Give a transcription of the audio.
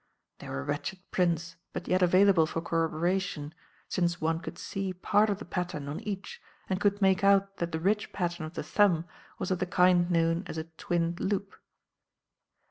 They were wretched prints but yet available for corroboration, since one could see part of the pattern on each and could make out that the ridge pattern of the thumb was of the kind known as a 'twinned loop.'